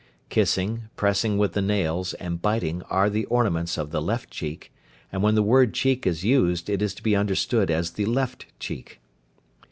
Kissing, pressing with the nails, and biting are the ornaments of the left cheek, and when the word cheek is used it is to be understood as the left cheek.